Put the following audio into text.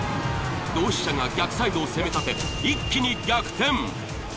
同志社が逆サイドを攻め立て一気に逆転。